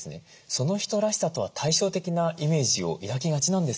その人らしさとは対照的なイメージを抱きがちなんですけれども。